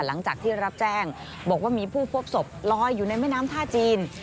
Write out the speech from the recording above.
หลังจากที่รับแจ้งบอกว่ามีผู้พบศพลอยอยู่ในแม่น้ำท่าจีน